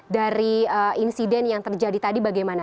dari insiden yang terjadi tadi bagaimana